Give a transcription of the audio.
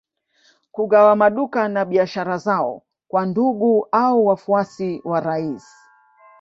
Kugawa maduka na biashara zao kwa ndugu au wafuasi wa rais